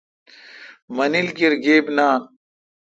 مانیل کیر گیب نان۔